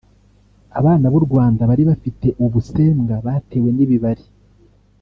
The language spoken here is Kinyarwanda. abana b’u Rwanda bari bafite ubusembwa batewe n’ibibari